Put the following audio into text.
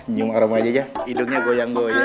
nyum aromanya aja hidungnya goyang goyang